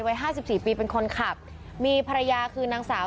วัย๕๔ปีเป็นคนขับมีภรรยาคือนางสาว